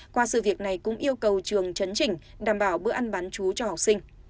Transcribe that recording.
qua sự việc này cũng yêu cầu trường chấn chỉnh đảm bảo bữa ăn bán chú cho học sinh